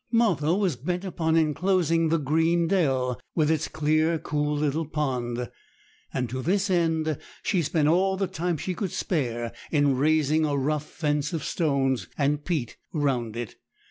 Martha was bent upon enclosing the green dell, with its clear, cool little pond; and to this end she spent all the time she could spare in raising a rough fence of stones and peat round it.